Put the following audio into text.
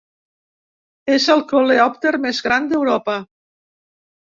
És el coleòpter més gran d'Europa.